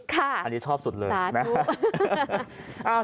ค่ะอันนี้ชอบสุดเลยสาธุ